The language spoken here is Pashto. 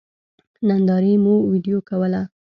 نندارې مو وېډيو کوله.